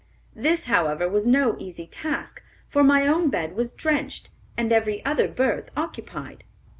This, however, was no easy task, for my own bed was drenched, and every other berth occupied.